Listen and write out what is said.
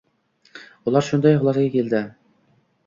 Ular shunday hulosaga keldi.